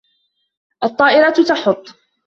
الطائرة تحط